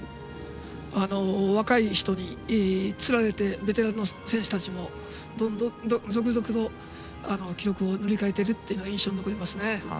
若い人につられてベテランの選手たちも続々と記録を塗り替えているというのが印象に残ります。